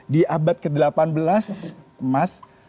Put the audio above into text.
di abad ke delapan belas mas